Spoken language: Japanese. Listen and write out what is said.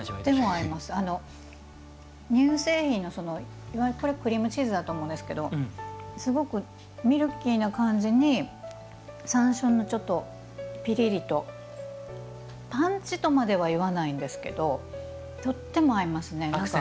乳製品の、これクリームチーズだと思うんですけどすごくミルキーな感じに山椒のちょっとピリリとパンチとまでは言わないんですけどとっても合いますね。